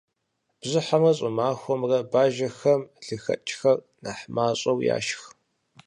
Бжьыхьэмрэ щӀымахуэмрэ бажэхэм лыхэкӏхэр нэхъ мащӏэу яшх.